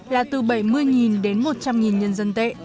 là từ bảy mươi đến một trăm linh nhân dân tệ